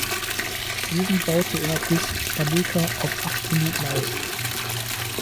Diesen baute er bis Franeker auf acht Minuten aus.